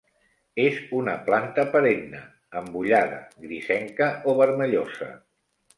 És una planta perenne, embullada, grisenca o vermellosa.